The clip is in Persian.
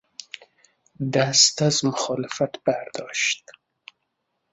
او دست از مخالفت برداشت.